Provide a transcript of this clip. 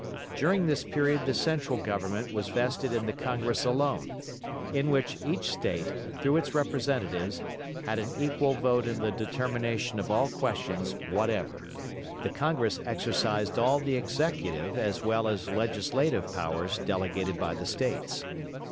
During this period the General Government was vested in the Congress alone, in which each State, through its representatives, had an equal vote in the determination of all questions whatever. The Congress exercised all the executive as well as legislative powers delegated by the States.